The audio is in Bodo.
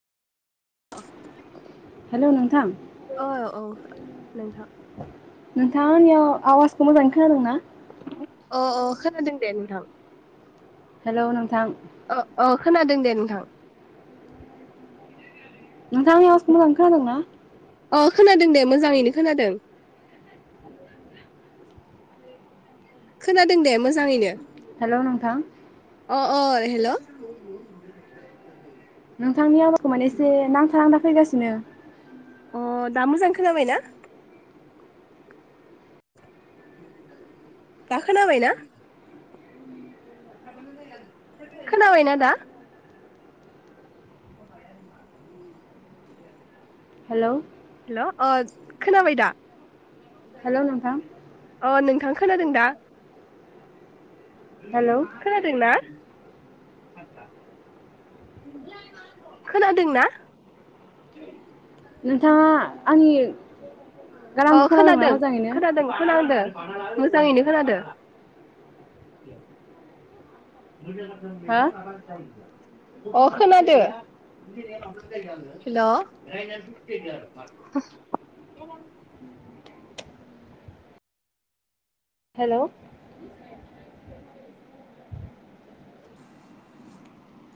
अह हेल' नोंथां। औ औ नोंथां। नोंथांनियाव आवाजखौ मोजाङै खोनादों ना? अ अ खोनादों दे नोंथां। हेलौ नोंथां। ओ औ खोनादों दे नोंथां। नोंथां आंनि आवाजखौ मोजाङै खोनादों ना? अ खोनादों दे मोजाङैनो खोनादों। खोनादों दे मोजाङैनो। हेलौ नोंथां। अ अ हेल' नोंथांनि आवाजखौ माने एसे नांथा नांथा फैगासिनो। अ दा मोजां खोनाबाय ना? दा खोनाबाय ना? खोनाबाय ना दा? [unintelligible] हेलौ हेल' ओ खोनाबाय दा हेलौ जायो नोंथां बिदिनो अ नोंथां खोनादों दा? हेलौ खोनादों ना? खोनादों ना? नोंथाङा आंनि अ गारांखौ खोनादों ना मोजाङैनो? खोनादों खोनादों मोजाङैनो खोनादो। हो [unintelligible] अ खोनादो। हेल' हेलौ